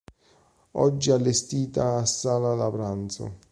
Oggi allestita a sala da pranzo.